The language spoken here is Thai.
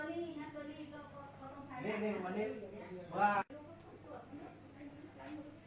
เนี่ยไปส่งไว้ส่งไว้นิดนึงเอาผมเนี่ย